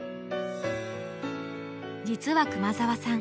実は熊澤さん